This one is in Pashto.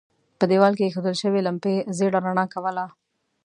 په دېوال کې اېښودل شوې لمپې ژېړه رڼا کوله.